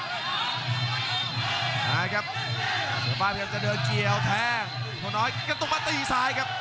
นะครับเสือฝ่ายเพิ่มจะเดินเกี่ยวแทงคุณพลน้อยก็ต้องมาตีซ้ายครับ